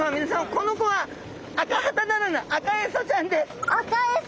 この子はアカハタならぬアカエソちゃんです。